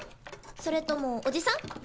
それともおじさん？